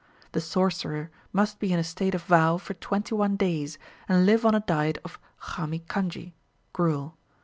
The sorcerer must be in a state of vow for twenty one days, and live on a diet of chama kanji (gruel).